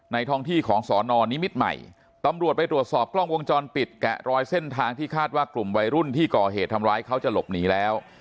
ท้องที่ของสอนอนนิมิตรใหม่ตำรวจไปตรวจสอบกล้องวงจรปิดแกะรอยเส้นทางที่คาดว่ากลุ่มวัยรุ่นที่ก่อเหตุทำร้ายเขาจะหลบหนีแล้ว